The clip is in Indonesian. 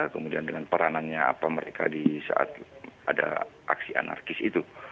kemudian dengan peranannya apa mereka di saat ada aksi anarkis itu